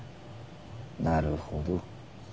なるほど。